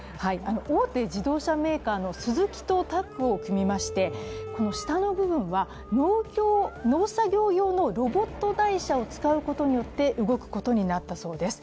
大手自動車メーカーのスズキとタッグを組みまして下の部分は農作業用のロボット台車を使うことによって動くことになったそうです。